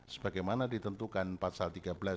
sebagai mana ditentukan pasal tiga belas